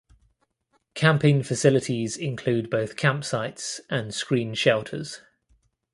Camping facilities include both campsites and screened shelters.